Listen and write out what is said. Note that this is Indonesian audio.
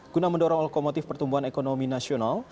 guna mendorong lokomotif pertumbuhan ekonomi nasional